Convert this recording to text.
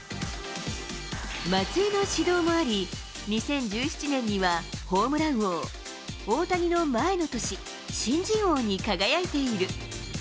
松井の指導もあり、２０１７年には、ホームラン王、大谷の前の年、新人王に輝いている。